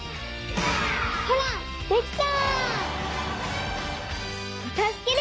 ほらできた！